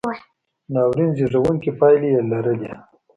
ناورین زېږوونکې پایلې یې لرلې.